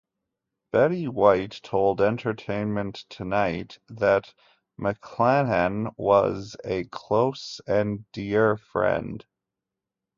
Betty White told "Entertainment Tonight" that McClanahan was a "close and dear friend".